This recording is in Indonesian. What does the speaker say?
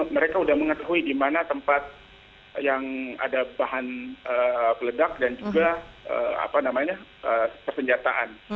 mereka sudah mengetahui di mana tempat yang ada bahan peledak dan juga persenjataan